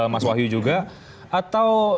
mas wahyu juga atau